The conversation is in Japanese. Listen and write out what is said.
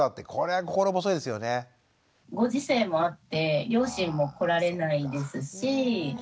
ご時世もあって両親も来られないですし。